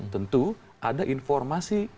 tentu ada informasi